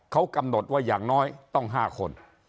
เขากำหนดว่าอย่างน้อยต้อง๕คน